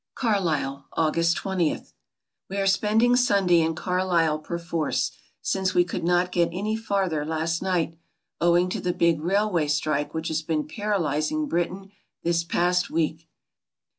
I«9l ^, D,i„Mb, Google Carlisle, August 20 We are spending Sunday in Carlisle perforce, since we could not get any farther last night, owing to the big railway strike which has been paralysing Britain this past week.